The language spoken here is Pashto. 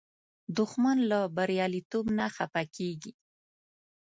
دښمن له بریالیتوب نه خفه کېږي